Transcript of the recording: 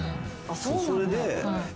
それで。